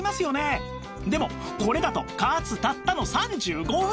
でもこれだと加圧たったの３５分！